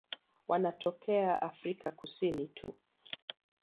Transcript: Wanatokea Afrika Kusini tu.